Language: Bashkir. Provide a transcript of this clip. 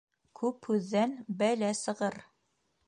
Күп һүҙҙән бәлә сығыр.